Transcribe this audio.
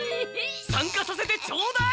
参加させてちょうだい！